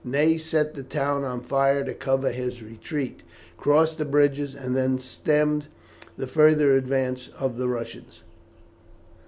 Ney set the town on fire to cover his retreat, crossed the bridges, and there stemmed the further advance of the Russians.